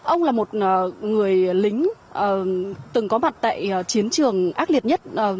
ông là một người lính từng có mặt tại chiến trường ác liệt nhất